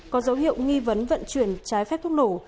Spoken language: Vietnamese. có dấu hiệu nghi vấn vận chuyển trái phép thuốc nổ